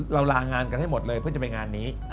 ลางานกันให้หมดเลยเพื่อจะไปงานนี้